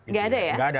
nggak ada ya